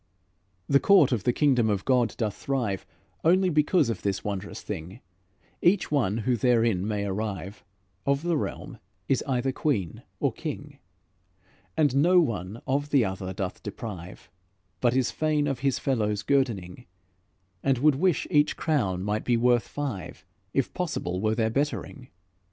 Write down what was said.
"The court of the kingdom of God doth thrive Only because of this wondrous thing: Each one who therein may arrive, Of the realm is either queen or king; And no one the other doth deprive, But is fain of his fellow's guerdoning, And would wish each crown might be worth five, If possible were their bettering.